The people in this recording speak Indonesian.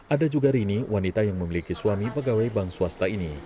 ada juga rini wanita yang memiliki suami pegawai bank swasta ini